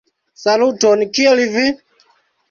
Saluton kiel vi?